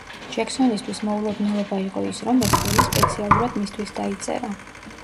ჯექსონისთვის მოულოდნელობა იყო ის, რომ ეს როლი სპეციალურად მისთვის დაიწერა.